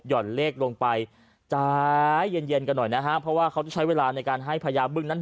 ่อนเลขลงไปจ้ายเย็นกันหน่อยนะฮะเพราะว่าเขาจะใช้เวลาในการให้พญาบึ้งนั้น